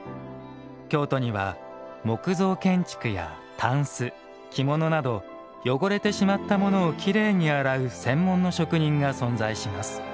京都には木造建築やたんす着物など汚れてしまったものをきれいに洗う専門の職人が存在します。